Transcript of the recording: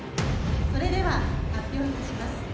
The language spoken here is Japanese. それでは発表いたします。